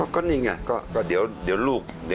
ก็นี่ไงก็เดี๋ยวลูก